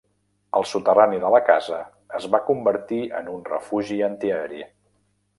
El soterrani de la casa es va convertir en un refugi antiaeri.